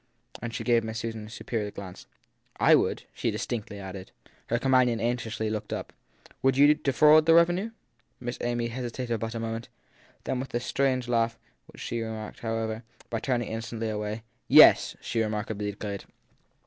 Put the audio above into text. And she gave Miss Susan a superior glance. I would ! she distinctly added. Her companion anxiously took it up. Would you defraud the revenue ? Miss Amy hesitated but a moment; then with a strange laugh, which she covered, however, by turning instantly away, Yes ! she remarkably declared.